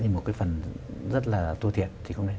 nhưng một cái phần rất là thua thiện